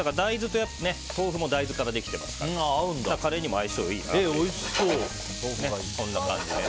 豆腐も大豆からできてますからカレーにも相性がいいです。